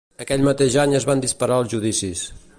Aquell mateix any es van disparar els judicis.